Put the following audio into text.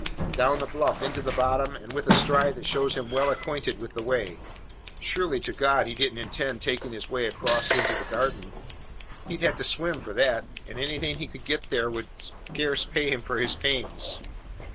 "Down the bluff into the bottom and with a stride that shows him well acquainted with the way. Surely to God he don't intend making his way across into the garden? He'd have to swim for that; and anything he could get there would scarce pay him for his pains.